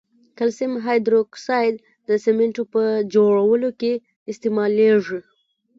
کلسیم هایدروکساید د سمنټو په جوړولو کې استعمالیږي.